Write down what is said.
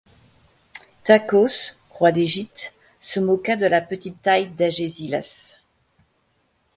Tachos, roi d’Égypte, se moqua de la petite taille d’Agésilas.